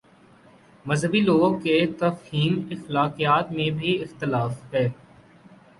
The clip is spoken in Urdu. مذہبی لوگوں کی تفہیم اخلاقیات میں بھی اختلاف ہے۔